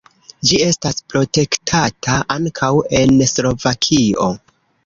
Ĝi estas protektata ankaŭ en Slovakio.